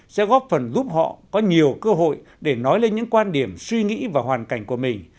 sẽ góp phần giúp họ có nhiều cơ hội để nói lên những quan điểm suy nghĩ và hoàn cảnh của mình